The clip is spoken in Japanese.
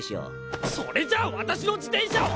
それじゃあわたしの自転車を。